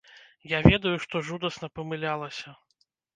Я ведаю, што жудасна памылялася.